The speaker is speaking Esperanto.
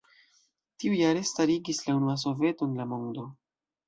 Tiujare stariĝis la unua soveto en la mondo.